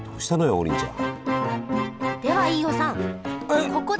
王林ちゃん。